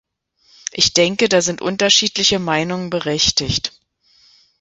Ich denke, da sind unterschiedliche Meinungen berechtigt.